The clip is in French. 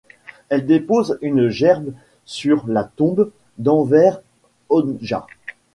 Elle dépose une gerbe sur la tombe d'Enver Hodja.